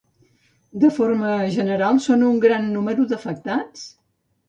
De forma general, són un gran número d'afectats?